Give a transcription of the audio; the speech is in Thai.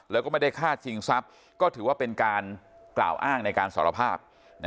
แล้วก็ไม่ได้ฆ่าชิงทรัพย์ก็ถือว่าเป็นการกล่าวอ้างในการสารภาพ